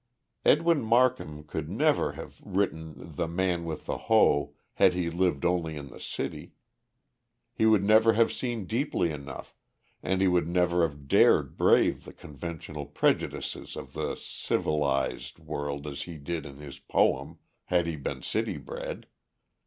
Edwin Markham could never have written The Man with the Hoe had he lived only in the city. He would never have seen deeply enough, and he would never have dared brave the conventional prejudices of the civilized (?) world as he did in his poem, had he been city bred.